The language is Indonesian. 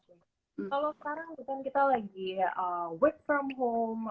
kalau sekarang kita lagi work from home